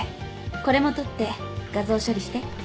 これも撮って画像処理して。